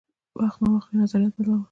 وخت نا وخت یې نظریات بدلول.